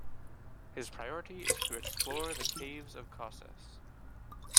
His priority is to explore the caves of Causses.